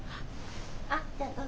あっじゃあどうぞ。